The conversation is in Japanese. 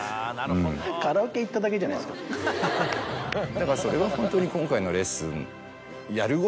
だからそれはホントに今回の。